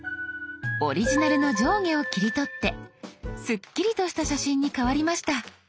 オリジナルの上下を切り取ってすっきりとした写真に変わりました。